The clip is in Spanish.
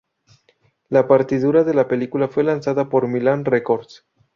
La partitura de la película fue lanzada por Milan Records.